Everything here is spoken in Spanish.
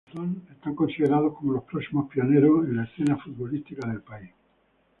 Los Luzon son considerados como los próximos pioneros en la escena futbolística del país.